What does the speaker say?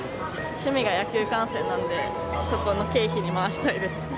趣味が野球観戦なんで、そこの経費に回したいです。